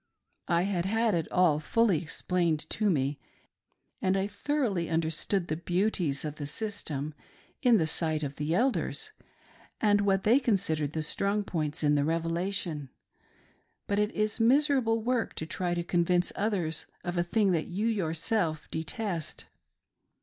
I had had it all fully explained to me, and I thor oughly understood the beauties of the system in the sight of the Elders, and what they considered the strong points in the Revelation ;— but it is miserable work to try to convince others of a thing that you yourself detest.